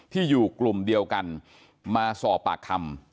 ที่อยู่กลุ่มเดียวกันมาสอบปากคำ